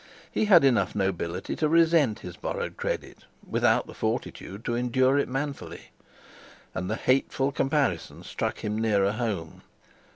He had enough nobility to resent his borrowed credit, without the fortitude to endure it manfully. And the hateful comparison struck him nearer home.